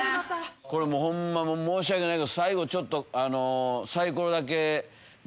ホンマ申し訳ないけど最後ちょっと。